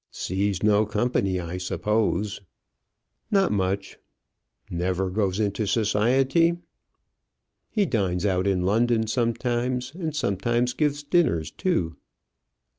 "Sees no company, I suppose?" "Not much." "Never goes into society?" "He dines out in London sometimes; and sometimes gives dinners too."